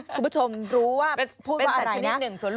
คุณผู้ชมรู้ว่าพูดว่าอะไรนะ